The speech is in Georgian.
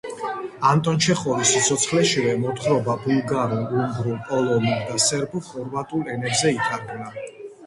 ანტონ ჩეხოვის სიცოცხლეშივე მოთხრობა ბულგარულ, უნგრულ, პოლონურ და სერბო-ხორვატულ ენებზე ითარგმნა.